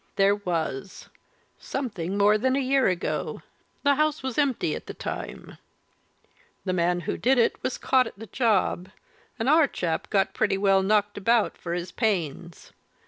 "There was. Something more than a year ago. The house was empty at the time. The man who did it was caught at the job and our chap got pretty well knocked about for his pains.